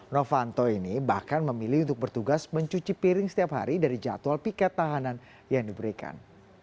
novanto ini bahkan memilih untuk bertugas mencuci piring setiap hari dari jadwal piket tahanan yang diberikan